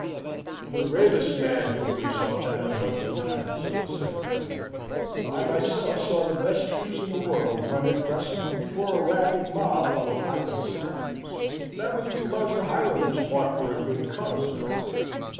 "The bravest man will do so at unlucky times," said the Colonel. "I myself saw the best troops in the world run at Preston, before a ragged mob of Highland savages." "That was because the Highlanders fought for a good cause, sir."